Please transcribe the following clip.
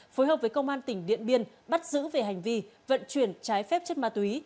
phối hợp với công an tỉnh điện biên bắt giữ về hành vi vận chuyển trái phép chất ma túy